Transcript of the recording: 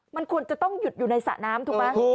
มันควรจะต้องหยุดอยู่ในสระน้ำถูกไหม